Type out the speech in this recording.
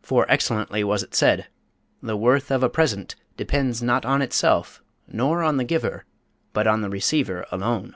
For excellently was it said: 'The worth of a present depends not on itself, nor on the giver, but on the receiver alone.'"